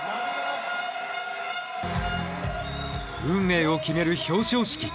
運命を決める表彰式。